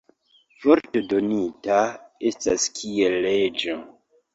Vorto donita estas kiel leĝo.